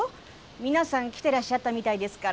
皆さん来てらっしゃったみたいですから。